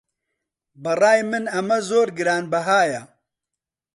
بەڕای من ئەمە زۆر گرانبەهایە.